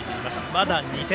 まだ２点。